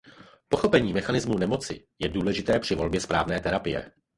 Pochopení mechanismů nemoci je důležité při volbě správné terapie.